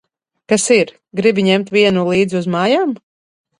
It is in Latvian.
Kas ir, gribi ņemt vienu līdzi uz mājām?